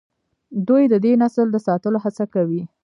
دوی د دې نسل د ساتلو هڅه کوي.